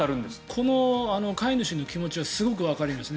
この飼い主の気持ちはすごくわかります。